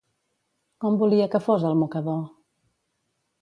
Com volia que fos, el mocador?